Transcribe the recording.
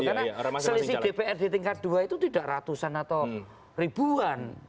karena selisih dpr di tingkat dua itu tidak ratusan atau ribuan